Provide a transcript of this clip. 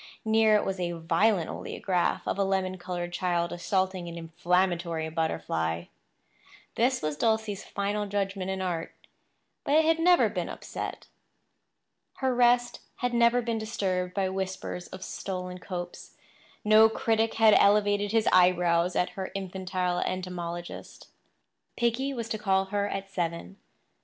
Near it was a violent oleograph of a lemon coloured child assaulting an inflammatory butterfly. This was Dulcie's final judgment in art; but it had never been upset. Her rest had never been disturbed by whispers of stolen copes; no critic had elevated his eyebrows at her infantile entomologist. Piggy was to call for her at seven.